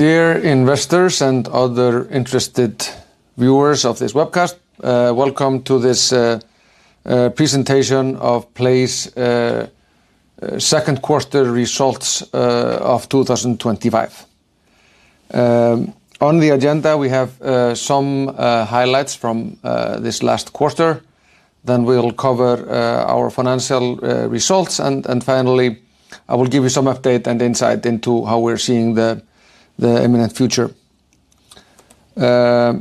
Dear investors and other interested viewers of this webcast, welcome to this presentation of PLAY's second quarter results of 2025. On the agenda, we have some highlights from this last quarter. We'll cover our financial results, and finally, I will give you some updates and insights into how we're seeing the imminent future. Just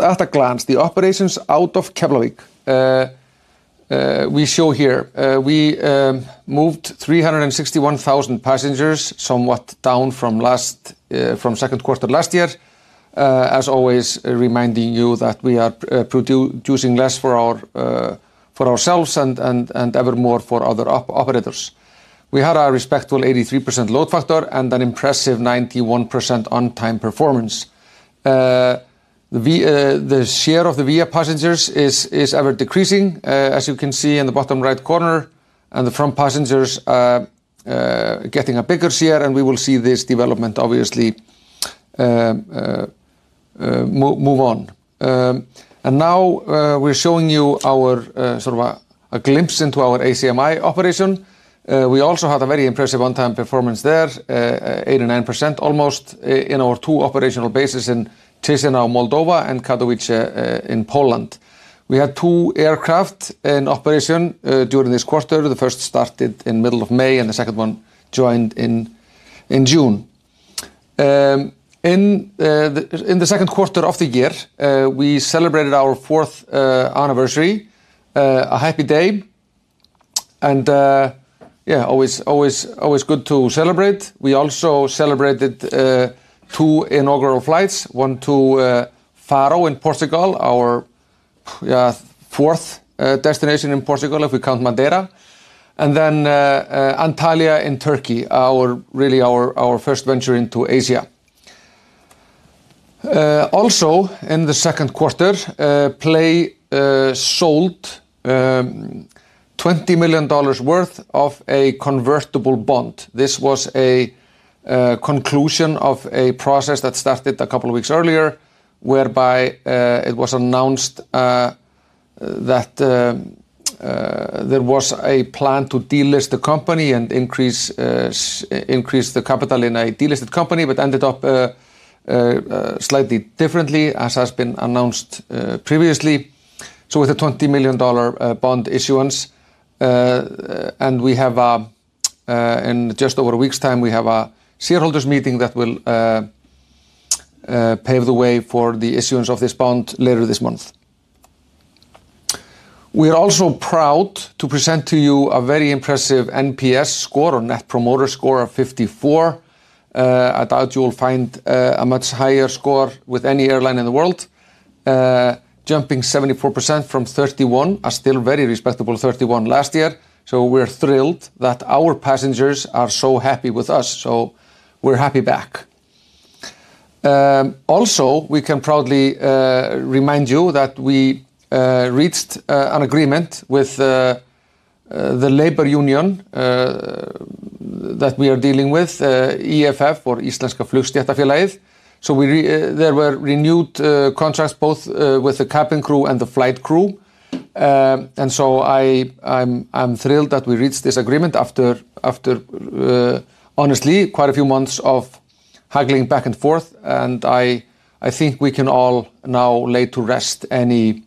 at a glance, the operations out of Keflavík, we show here, we moved 361,000 passengers, somewhat down from second quarter last year. As always, reminding you that we are producing less for ourselves and ever more for other operators. We had a respectful 83% load factor and an impressive 91% on-time performance. The share of the VIA passengers is ever decreasing, as you can see in the bottom right corner, and the front passengers are getting a bigger share, and we will see this development obviously move on. Now we're showing you our sort of a glimpse into our ACMI operation. We also had a very impressive on-time performance there, 89% almost, in our two operational bases in Chișinău, Moldova, and Katowice in Poland. We had two aircraft in operation during this quarter. The first started in the middle of May, and the second one joined in June. In the second quarter of the year, we celebrated our fourth anniversary, a happy day, and yeah, always good to celebrate. We also celebrated two inaugural flights, one to Faro in Portugal, our fourth destination in Portugal, if we count Madeira, and then Antalya in Turkey, really our first venture into Asia. Also, in the second quarter, PLAY sold $20 million worth of a convertible bond. This was a conclusion of a process that started a couple of weeks earlier, whereby it was announced that there was a plan to delist the company and increase the capital in a delisted company, but ended up slightly differently, as has been announced previously. With a $20 million bond issuance, and in just over a week's time, we have a shareholders' meeting that will pave the way for the issuance of this bond later this month. We're also proud to present to you a very impressive NPS score or net promoter score of 54. I doubt you'll find a much higher score with any airline in the world, jumping 74% from 31, a still very respectable 31 last year. We're thrilled that our passengers are so happy with us. We're happy back. We can proudly remind you that we reached an agreement with the labor union that we are dealing with, EFF, or Efling stéttarfélag. There were renewed contracts both with the cabin crew and the flight crew. I'm thrilled that we reached this agreement after, honestly, quite a few months of haggling back and forth, and I think we can all now lay to rest any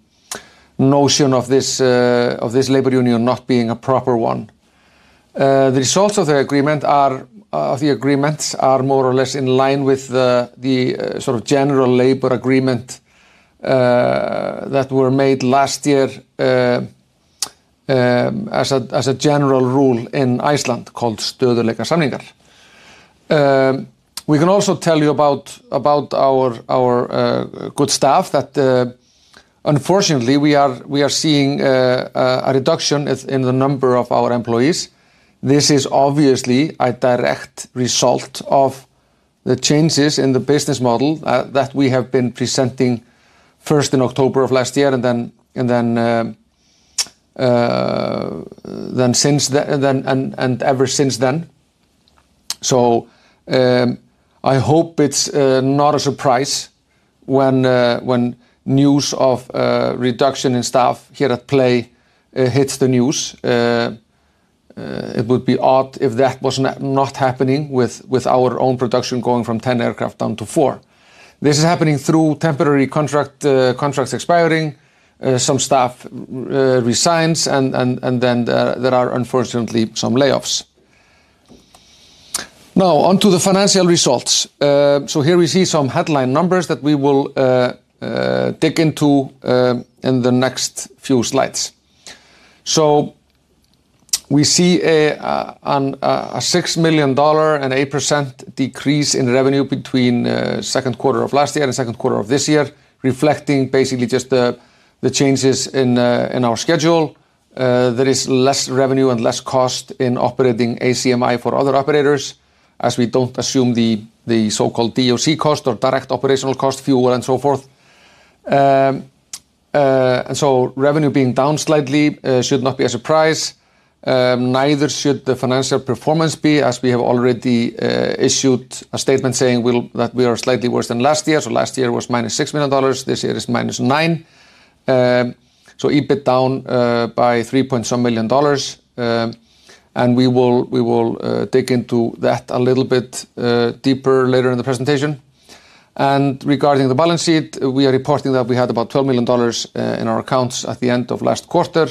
notion of this labor union not being a proper one. The results of the agreement are more or less in line with the sort of general labor agreement that were made last year as a general rule in Iceland called [Stöðuleika Sanningar]. We can also tell you about our good staff that, unfortunately, we are seeing a reduction in the number of our employees. This is obviously a direct result of the changes in the business model that we have been presenting first in October of last year and then ever since then. I hope it's not a surprise when news of a reduction in staff here at PLAY hits the news. It would be odd if that was not happening with our own production going from 10 aircraft down to four. This is happening through temporary contracts expiring, some staff resigns, and then there are, unfortunately, some layoffs. Now, onto the financial results. Here we see some headline numbers that we will dig into in the next few slides. We see a $6 million, an 8% decrease in revenue between the second quarter of last year and the second quarter of this year, reflecting basically just the changes in our schedule. There is less revenue and less cost in operating ACMI for other operators, as we don't assume the so-called DOC cost or direct operational cost, fuel, and so forth. Revenue being down slightly should not be a surprise. Neither should the financial performance be, as we have already issued a statement saying that we are slightly worse than last year. Last year was minus $6 million. This year is minus $9 million. EBIT down by $3 point some million dollars. We will dig into that a little bit deeper later in the presentation. Regarding the balance sheet, we are reporting that we had about $12 million in our accounts at the end of last quarter,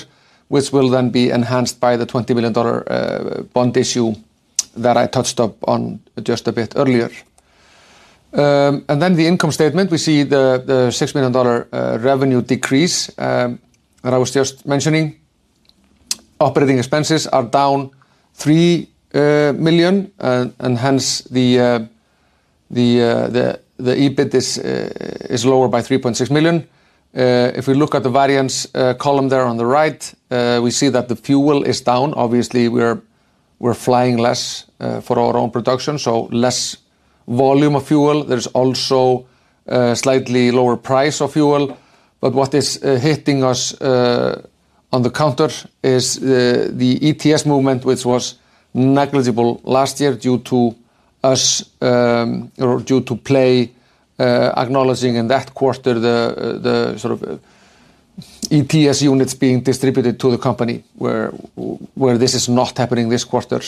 which will then be enhanced by the $20 million bond issue that I touched upon just a bit earlier. In the income statement, we see the $6 million revenue decrease that I was just mentioning. Operating expenses are down $3 million, and hence the EBIT is lower by $3.6 million. If we look at the variance column there on the right, we see that the fuel is down. Obviously, we're flying less for our own production, so less volume of fuel. There's also a slightly lower price of fuel. What is hitting us on the counter is the ETS movement, which was negligible last year due to us or due to PLAY acknowledging in that quarter the sort of ETS units being distributed to the company, where this is not happening this quarter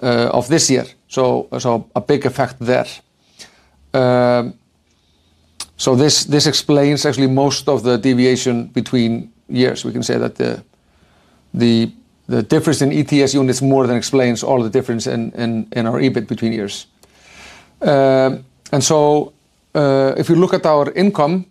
of this year. A big effect there. This explains actually most of the deviation between years. We can say that the difference in ETS units more than explains all the difference in our EBIT between years. If you look at our income,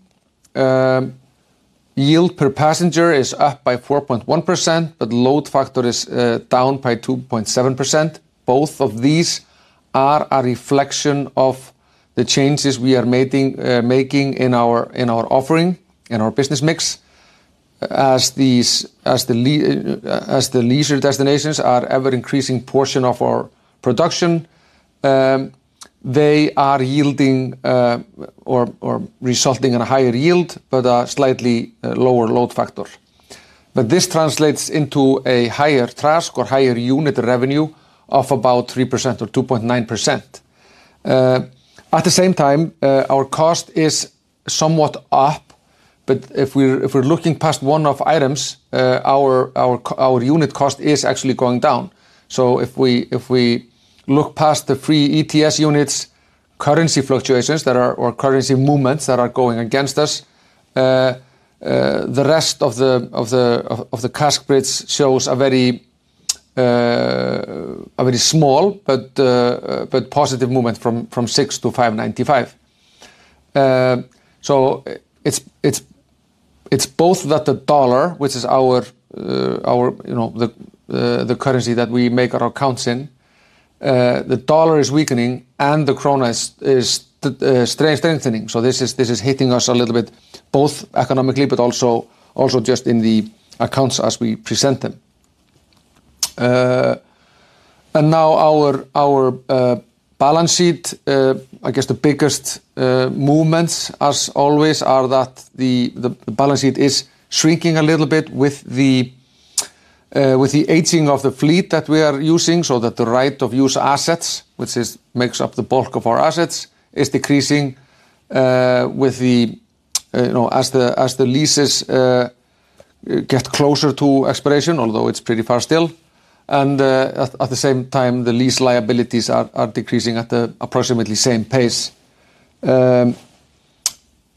yield per passenger is up by 4.1%, but load factor is down by 2.7%. Both of these are a reflection of the changes we are making in our offering and our business mix. As the leisure destinations are an ever-increasing portion of our production, they are yielding or resulting in a higher yield, but a slightly lower load factor. This translates into a higher TRASK or higher unit revenue of about 3% or 2.9%. At the same time, our cost is somewhat up, but if we're looking past one-off items, our unit cost is actually going down. If we look past the free ETS units, currency fluctuations or currency movements that are going against us, the rest of the CASK grids shows a very small but positive movement from 6 to 5.95. It's both that the dollar, which is the currency that we make our accounts in, the dollar is weakening and the krona is strengthening. This is hitting us a little bit both economically but also just in the accounts as we present them. Now our balance sheet, I guess the biggest movements, as always, are that the balance sheet is shrinking a little bit with the aging of the fleet that we are using, so that the right of use assets, which makes up the bulk of our assets, is decreasing as the leases get closer to expiration, although it's pretty far still. At the same time, the lease liabilities are decreasing at the approximately same pace.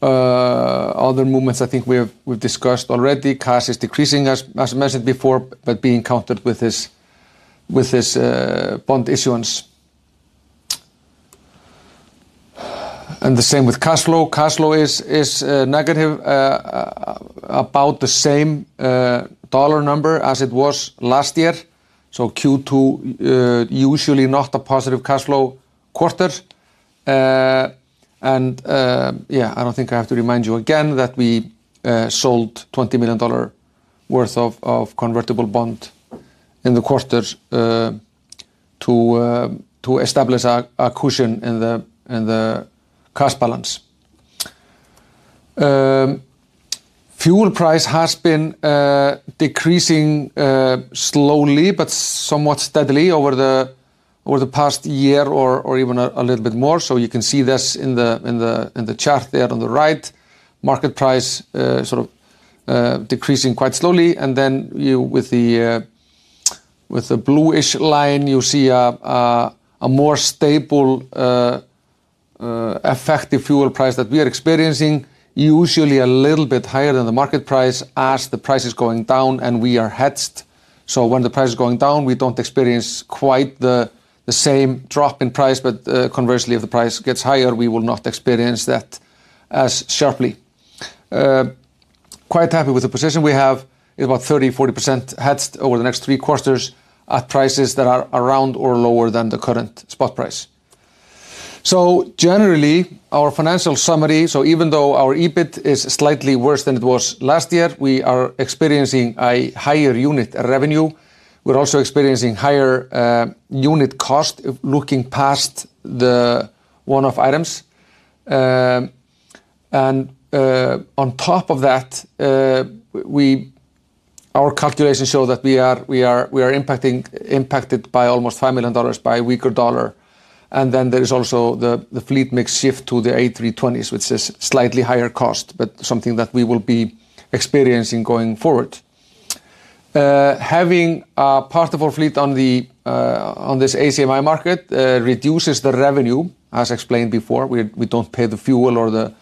Other movements I think we've discussed already, CASK is decreasing, as I mentioned before, but being counted with this bond issuance. The same with cash flow. Cash flow is negative, about the same dollar number as it was last year. Q2, usually not a positive cash flow quarter. I don't think I have to remind you again that we sold $20 million worth of convertible bond in the quarter to establish a cushion in the cash balance. Fuel price has been decreasing slowly but somewhat steadily over the past year or even a little bit more. You can see this in the chart there on the right. Market price sort of decreasing quite slowly. With the bluish line, you see a more stable, effective fuel price that we are experiencing, usually a little bit higher than the market price as the price is going down and we are hedged. When the price is going down, we don't experience quite the same drop in price, but conversely, if the price gets higher, we will not experience that as sharply. Quite happy with the position we have, about 30% to 40% hedged over the next three quarters at prices that are around or lower than the current spot price. Generally, our financial summary, even though our EBIT is slightly worse than it was last year, we are experiencing a higher unit revenue. We're also experiencing higher unit cost looking past the one-off items. On top of that, our calculations show that we are impacted by almost $5 million by a weaker dollar. There is also the fleet mix shift to the Airbus A320 family, which is slightly higher cost, but something that we will be experiencing going forward. Having a portable fleet on this ACMI market reduces the revenue, as explained before. We don't pay the fuel or the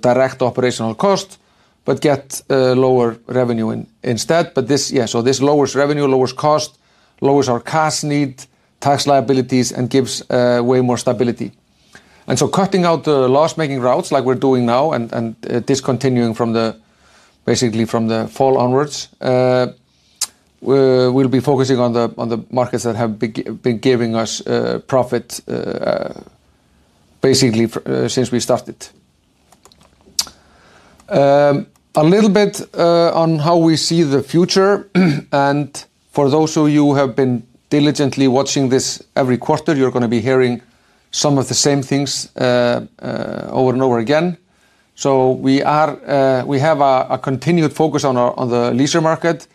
direct operational cost, but get lower revenue instead. This lowers revenue, lowers cost, lowers our CASK need, tax liabilities, and gives way more stability. Cutting out the loss-making routes, like we're doing now, and discontinuing from the fall onwards, we'll be focusing on the markets that have been giving us profit basically since we started. A little bit on how we see the future. For those of you who have been diligently watching this every quarter, you're going to be hearing some of the same things over and over again. We have a continued focus on the leisure market.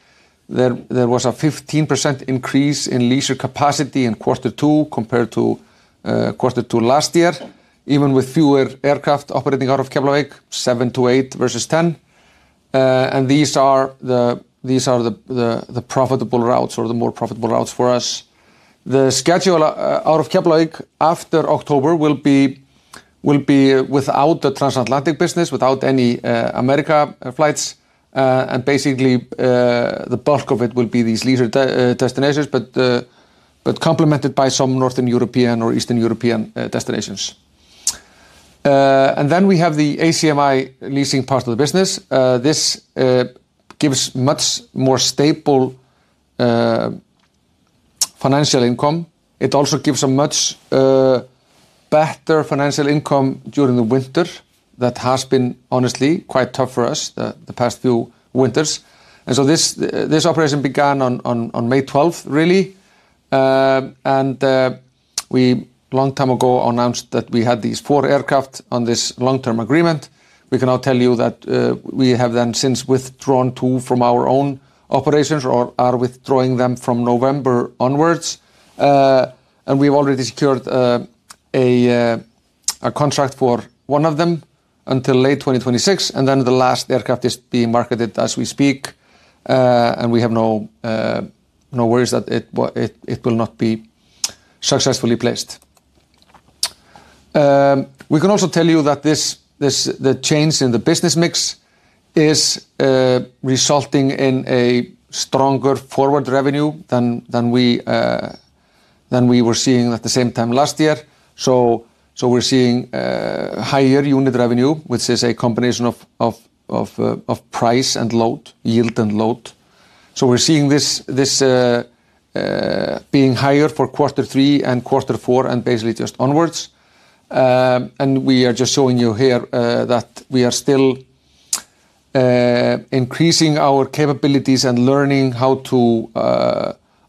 There was a 15% increase in leisure capacity in quarter two compared to quarter two last year, even with fewer aircraft operating out of Keflavík, 7 to 8 versus 10. These are the profitable routes or the more profitable routes for us. The schedule out of Keflavík after October will be without the transatlantic business, without any America flights. The bulk of it will be these leisure destinations, complemented by some Northern European or Eastern European destinations. We have the ACMI leasing part of the business. This gives much more stable financial income. It also gives a much better financial income during the winter that has been, honestly, quite tough for us the past few winters. This operation began on May 12th, really. We, a long time ago, announced that we had these four aircraft on this long-term agreement. We can now tell you that we have then since withdrawn two from our own operations or are withdrawing them from November onwards. We've already secured a contract for one of them until late 2026. The last aircraft is being marketed as we speak. We have no worries that it will not be successfully placed. We can also tell you that the change in the business mix is resulting in a stronger forward revenue than we were seeing at the same time last year. We're seeing higher unit revenue, which is a combination of price and load, yield and load. We're seeing this being higher for quarter three and quarter four and basically just onwards. We are just showing you here that we are still increasing our capabilities and learning how to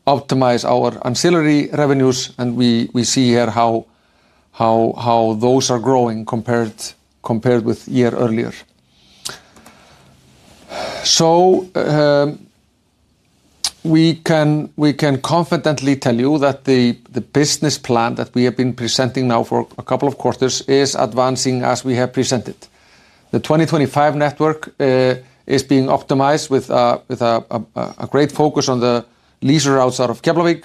optimize our ancillary revenues. We see here how those are growing compared with a year earlier. We can confidently tell you that the business plan that we have been presenting now for a couple of quarters is advancing as we have presented. The 2025 network is being optimized with a great focus on the leisure routes out of Keflavík.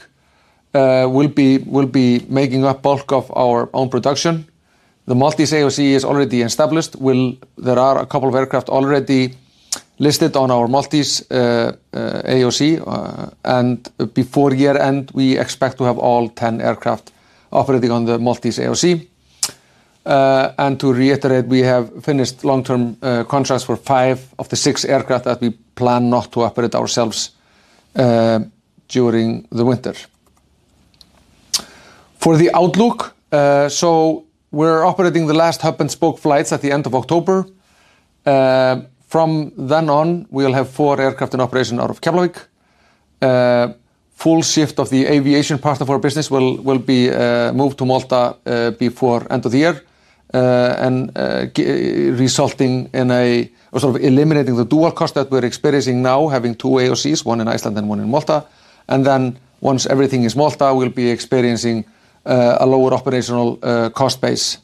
These will be making up bulk of our own production. The Maltese AOC is already established. There are a couple of aircraft already listed on our Maltese AOC. Before year end, we expect to have all 10 aircraft operating on the Maltese AOC. To reiterate, we have finished long-term contracts for five of the six aircraft that we plan not to operate ourselves during the winter. For the outlook, we're operating the last hub and spoke flights at the end of October. From then on, we'll have four aircraft in operation out of Keflavík. Full shift of the aviation part of our business will be moved to Malta before the end of the year, resulting in a sort of eliminating the dual cost that we're experiencing now, having two AOCs, one in Iceland and one in Malta. Once everything is Malta, we'll be experiencing a lower operational cost base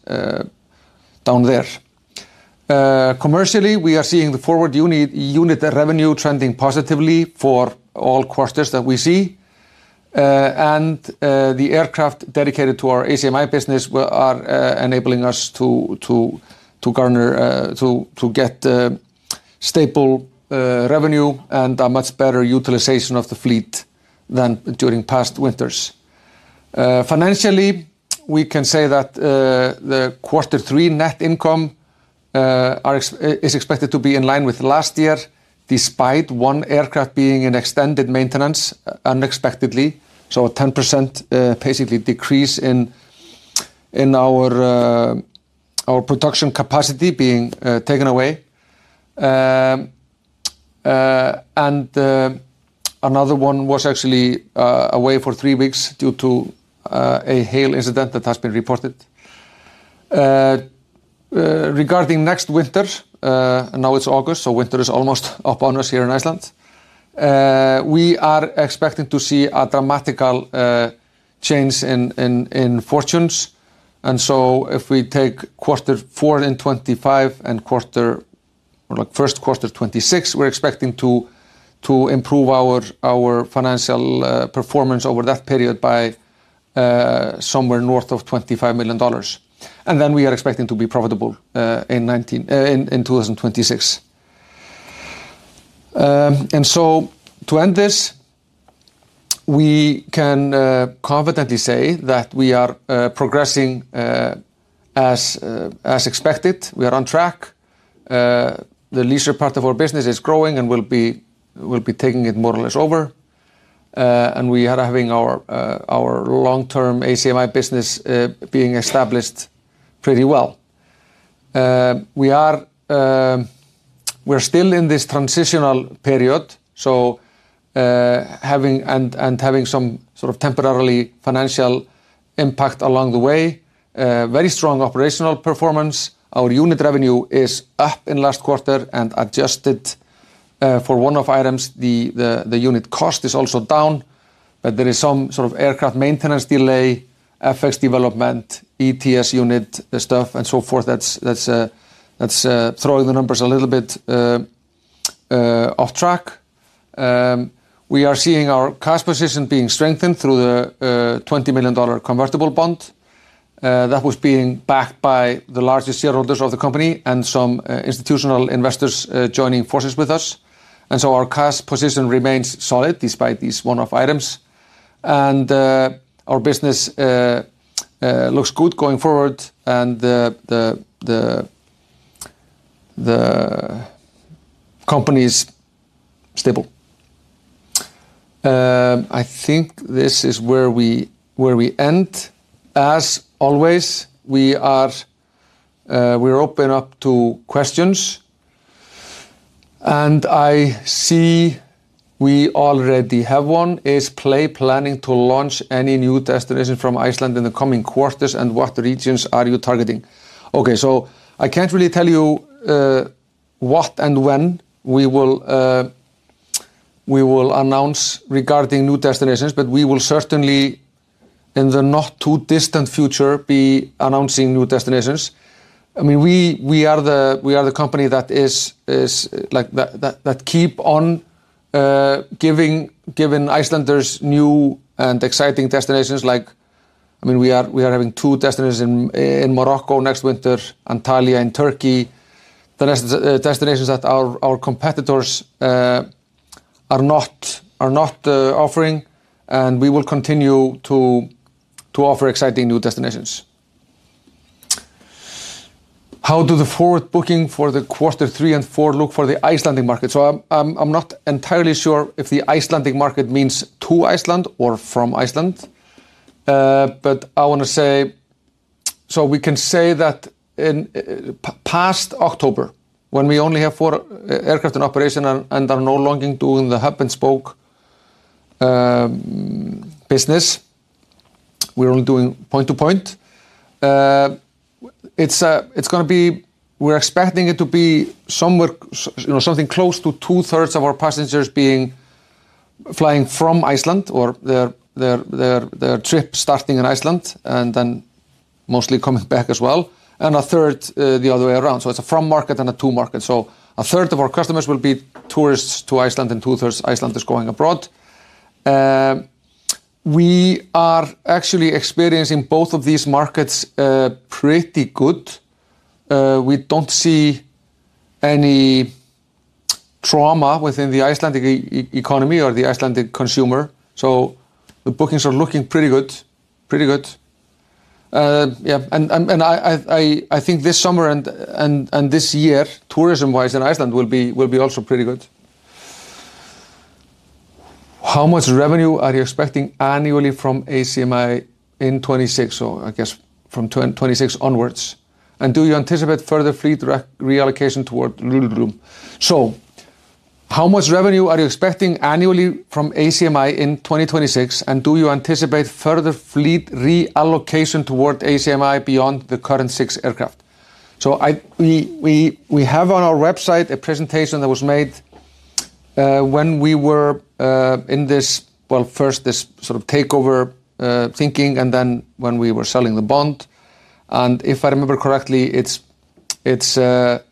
down there. Commercially, we are seeing the forward unit revenue trending positively for all quarters that we see. The aircraft dedicated to our ACMI business are enabling us to get stable revenue and a much better utilization of the fleet than during past winters. Financially, we can say that the Q3 net income is expected to be in line with last year, despite one aircraft being in extended maintenance unexpectedly. A 10% decrease in our production capacity is basically being taken away. Another one was actually away for three weeks due to a hail incident that has been reported. Regarding next winter, now it's August, so winter is almost upon us here in Iceland. We are expecting to see a dramatic change in fortunes. If we take Q4 2025 and Q1 2026, we're expecting to improve our financial performance over that period by somewhere north of $25 million. We are expecting to be profitable in 2026. To end this, we can confidently say that we are progressing as expected. We are on track. The leisure part of our business is growing and will be taking it more or less over. We are having our long-term ACMI business being established pretty well. We're still in this transitional period and having some sort of temporary financial impact along the way. Very strong operational performance. Our unit revenue is up in the last quarter and, adjusted for one-off items, the unit cost is also down, but there is some sort of aircraft maintenance delay, FX movements, ETS unit stuff, and so forth that's throwing the numbers a little bit off track. We are seeing our cash position being strengthened through the $20 million convertible bond that was being backed by the largest shareholders of the company and some institutional investors joining forces with us. Our cash position remains solid despite these one-off items. Our business looks good going forward and the company is stable. I think this is where we end. As always, we're open to questions. I see we already have one. Is PLAY planning to launch any new destinations from Iceland in the coming quarters, and what regions are you targeting? I can't really tell you what and when we will announce regarding new destinations, but we will certainly, in the not-too-distant future, be announcing new destinations. We are the company that keeps on giving Icelanders new and exciting destinations. Like, I mean, we are having two destinations in Morocco next winter, Antalya in Turkey, the destinations that our competitors are not offering. We will continue to offer exciting new destinations. How do the forward booking for the quarter three and four look for the Icelandic market? I'm not entirely sure if the Icelandic market means to Iceland or from Iceland, but I want to say, we can say that in past October, when we only have four aircraft in operation and are no longer doing the hub and spoke business, we're only doing point-to-point. It's going to be, we're expecting it to be somewhere, you know, something close to two-thirds of our passengers being flying from Iceland or their trip starting in Iceland and then mostly coming back as well, and a third the other way around. It's a from market and a to market. A third of our customers will be tourists to Iceland and two-thirds Icelanders going abroad. We are actually experiencing both of these markets pretty good. We don't see any trauma within the Icelandic economy or the Icelandic consumer. The bookings are looking pretty good. Pretty good. Yeah. I think this summer and this year, tourism-wise in Iceland will be also pretty good. How much revenue are you expecting annually from ACMI in 2026? I guess from 2026 onwards. Do you anticipate further fleet reallocation toward? How much revenue are you expecting annually from ACMI in 2026? Do you anticipate further fleet reallocation toward ACMI beyond the current six aircraft? We have on our website a presentation that was made when we were in this, first this sort of takeover thinking and then when we were selling the bond. If I remember correctly, it's a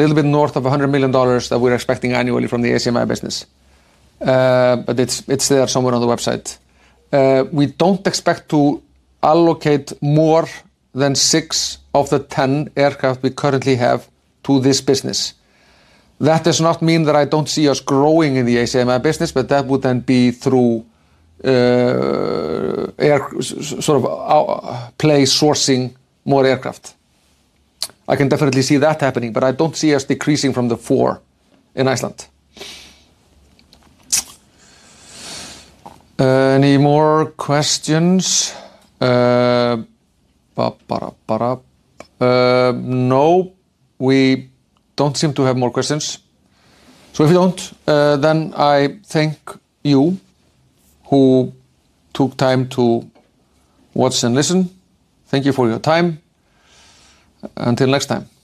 little bit north of $100 million that we're expecting annually from the ACMI business, but it's there somewhere on the website. We don't expect to allocate more than six of the 10 aircraft we currently have to this business. That does not mean that I don't see us growing in the ACMI business, but that would then be through sort of our PLAY sourcing more aircraft. I can definitely see that happening, but I don't see us decreasing from the four in Iceland. Any more questions? No, we don't seem to have more questions. If you don't, then I thank you who took time to watch and listen. Thank you for your time. Until next time.